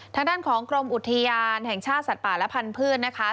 ทางด้านของกรมอุทยานแห่งชาติสัตว์ป่าและพันธุ์นะคะ